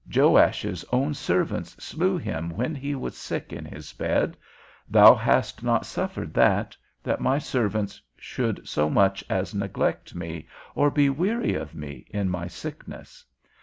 Joash's own servants slew him when he was sick in his bed: thou hast not suffered that, that my servants should so much as neglect me, or be weary of me in my sickness.